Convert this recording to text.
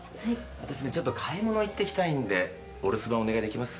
私ねちょっと買い物行ってきたいんでお留守番お願いできます？